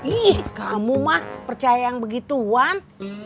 ih kamu mak percaya yang begitu wan